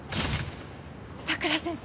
佐倉先生！